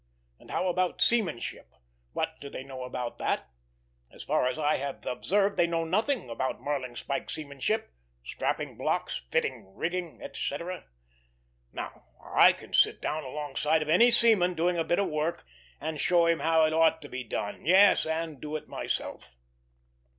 And how about seamanship? What do they know about that? As far as I have observed they know nothing about marling spike seamanship, strapping blocks, fitting rigging, etc. Now I can sit down alongside of any seaman doing a bit of work and show him how it ought to be done; yes, and do it myself."